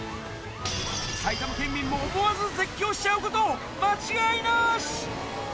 埼玉県民も思わず絶叫しちゃうこと間違いなし。